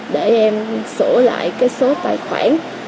để em sổ lại cái số tài khoản